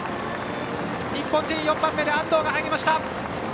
日本人４番目で安藤が入りました。